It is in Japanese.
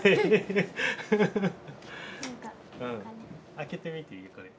開けてみていいよこれ。